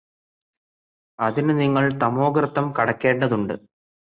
അതിനു നിങ്ങള് തമോഗര്ത്തം കടക്കേണ്ടതുണ്ട്